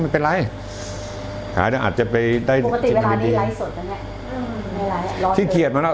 เป็นไรอาจจะไปได้ปกติเวลานี้ไล่สดแล้วเนี้ยไม่ไล่ที่เกลียดมาแล้ว